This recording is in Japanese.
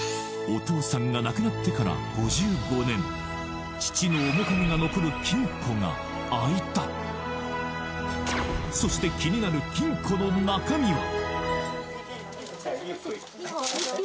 お父さんが亡くなってから５５年父の面影が残る金庫が開いたそして気になる金庫の中身は？